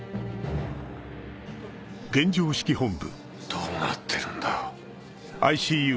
どうなってるんだ。